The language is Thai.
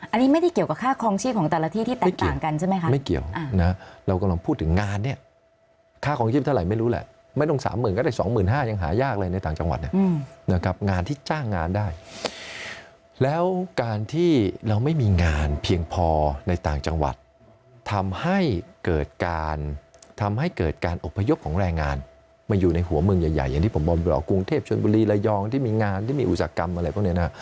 อันนี้ไม่ได้เกี่ยวกับค่าคลองชีพของแต่ละที่ที่แตกต่างกันใช่ไหมครับไม่เกี่ยวนะเรากำลังพูดถึงงานเนี่ยค่าคลองชีพเท่าไหร่ไม่รู้แหละไม่ต้องสามหมื่นก็ได้สองหมื่นห้ายังหายากเลยในต่างจังหวัดเนี่ยนะครับงานที่จ้างงานได้แล้วการที่เราไม่มีงานเพียงพอในต่างจังหวัดทำให้เกิดการทำให้เกิดการอพยพของแรงงานมาอย